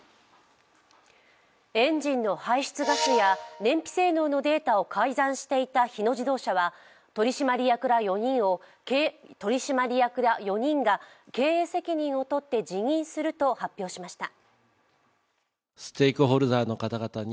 エンジンの排出ガスや燃費性能のデータを改ざんしていた日野自動車は取締役ら４人が経営責任をとって辞任すると発表しました。